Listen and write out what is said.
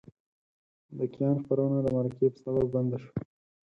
د کیان خپرونه د مرکې په سبب بنده شوه.